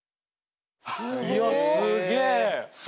いやすげえ。